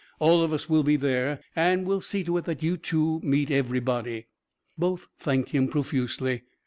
All of us will be there, and we'll see that you two meet everybody." Both thanked him profusely.